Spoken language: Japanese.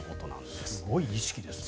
すごい意識ですね。